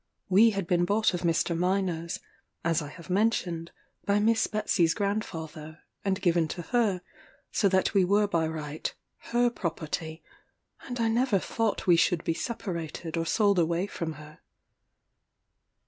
We had been bought of Mr. Myners, as I have mentioned, by Miss Betsey's grandfather, and given to her, so that we were by right her property, and I never thought we should be separated or sold away from her.